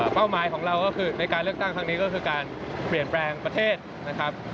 หมายของเราก็คือในการเลือกตั้งครั้งนี้ก็คือการเปลี่ยนแปลงประเทศนะครับ